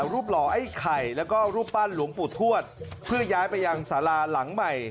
รูปหล่อไอ้ไข่แล้วก็รูปปั้นหลวงปู่ทวดเพื่อย้ายไปยังสาราหลังใหม่